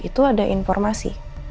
itu ada informasi